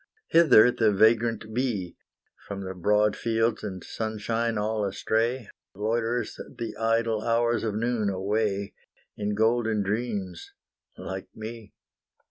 Hither the vagrant bee, From the broad fields and sunshine all astray, Loiters the idle hours of noon away, In golden dreams like me.